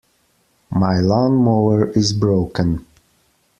My lawn-mower is broken.